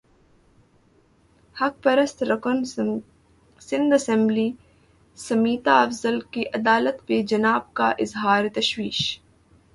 حق پرست رکن سندھ اسمبلی سمیتا افضال کی علالت پر جناب کا اظہار تشویش